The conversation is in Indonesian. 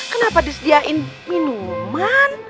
kenapa disediain minuman